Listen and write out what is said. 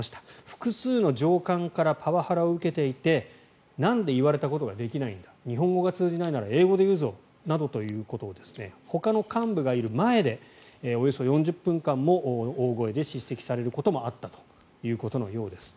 複数の上官からパワハラを受けていてなんで言われたことができないんだ日本語が通じないなら英語で言うぞなどということをほかの幹部がいる前でおよそ４０分間も大声で叱責されることもあったということのようです。